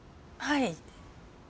はい。